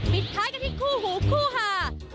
ปิดท้ายกันที่คู่หูคู่หา